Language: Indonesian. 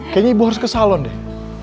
kayaknya ibu harus ke salon deh